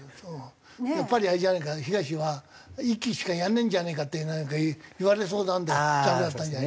やっぱりあれじゃねえか東は１期しかやらねえんじゃねえかっていう言われそうなんでダメだったんじゃない？